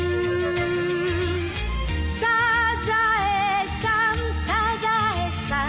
「サザエさんサザエさん」